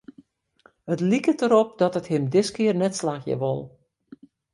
It liket derop dat it him diskear net slagje wol.